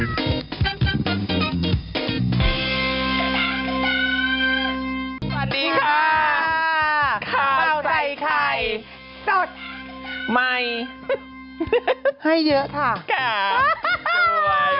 สวัสดีค่ะข้าวใส่ไข่สดใหม่ให้เยอะค่ะ